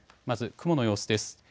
まず雲の様子です。